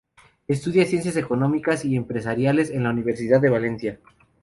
Estudia ciencias Económicas y Empresariales en la Universidad de Valencia.